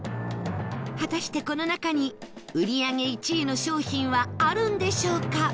果たしてこの中に売り上げ１位の商品はあるんでしょうか？